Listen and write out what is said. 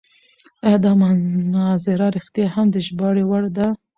ایا دا مناظره رښتیا هم د ژباړې وړ ده؟